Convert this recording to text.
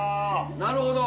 なるほど。